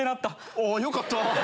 あよかった！